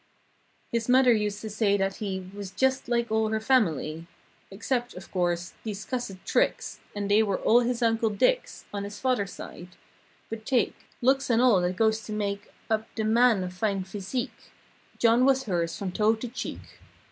(His mother used to say that he Was just like all her family, Except, of course, these cussed tricks And they were all his Uncle Dick's On his father's side. But take Lx)oks and all that goes to make Up the man of fine physique John was hers from toe to cheek.